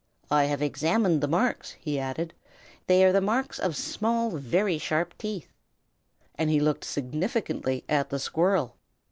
I have examined the marks," he added, "and they are the marks of small, very sharp teeth." And he looked significantly at the squirrel.